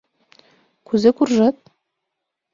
Кузе куржат?